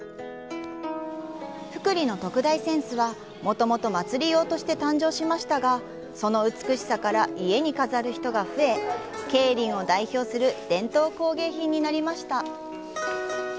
福利の特大扇子はもともと祭り用として誕生しましたがその美しさから家に飾る人が増え桂林を代表する伝統工芸品になりました。